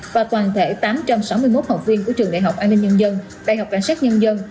và toàn thể tám trăm sáu mươi một học viên của trường đại học an ninh nhân dân đại học cảnh sát nhân dân